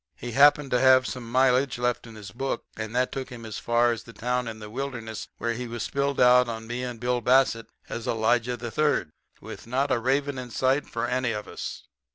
He happened to have some mileage left in his book, and that took him as far as the town in the wilderness where he was spilled out on me and Bill Bassett as Elijah III. with not a raven in sight for any of us.